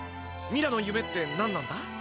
ミラのゆめって何なんだ？